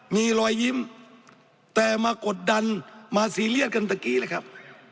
มีรอยยิ้มแต่มากดดันมาซีเรียสกันตะกี้เลยครับ